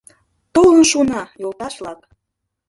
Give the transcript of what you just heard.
— Толын шуна, йолташ-влак!